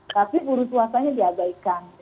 tapi buru swastanya diagaikan